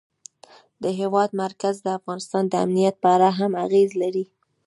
د هېواد مرکز د افغانستان د امنیت په اړه هم اغېز لري.